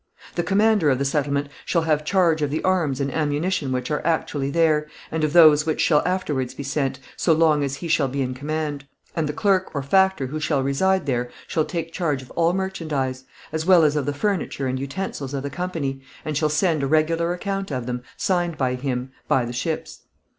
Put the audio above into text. "The commander of the settlement shall have charge of the arms and ammunition which are actually there, and of those which shall afterwards be sent, so long as he shall be in command; and the clerk or factor who shall reside there shall take charge of all merchandise; as well as of the furniture and utensils of the company, and shall send a regular account of them, signed by him, by the ships.